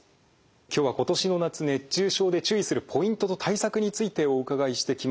今日は今年の夏熱中症で注意するポイントと対策についてお伺いしてきました。